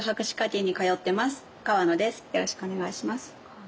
よろしくお願いします。